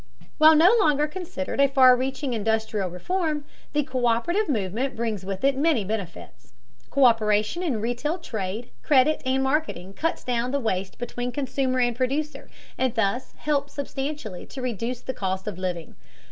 While no longer considered a far reaching industrial reform, the co÷perative movement brings with it many benefits. Co÷peration in retail trade, credit, and marketing cuts down the waste between consumer and producer, and thus helps substantially to reduce the cost of living.